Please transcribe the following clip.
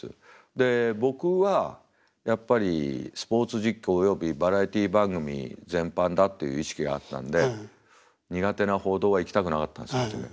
で僕はやっぱりスポーツ実況およびバラエティー番組全般だっていう意識があったんで苦手な報道は行きたくなかったんです初め。